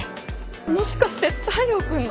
もしかして太陽君の？